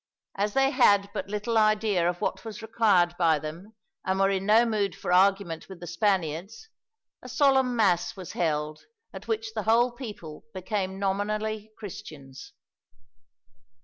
As they had but little idea of what was required by them, and were in no mood for argument with the Spaniards, a solemn mass was held, at which the whole people became nominally Christians.